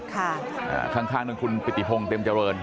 ข้างนั่นคุณปิติพงศ์เต็มเจริญ